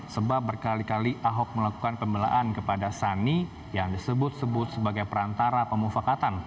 sebab berkali kali ahok melakukan pembelaan kepada sani yang disebut sebut sebagai perantara pemufakatan